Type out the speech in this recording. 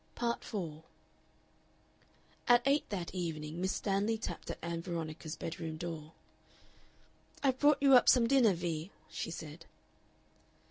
Part 4 At eight that evening Miss Stanley tapped at Ann Veronica's bedroom door. "I've brought you up some dinner, Vee," she said.